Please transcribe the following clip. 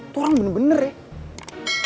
tuh orang bener bener ya